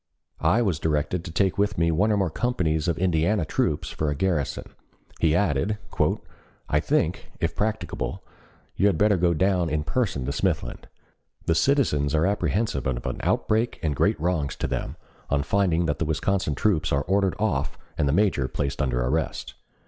I was directed to take with me one or more companies of Indiana troops for a garrison. He added: "I think, if practicable, you had better go down in person to Smithland. The citizens are apprehensive of an outbreak and great wrongs to them, on finding that the Wisconsin troops are ordered off and the major placed under arrest.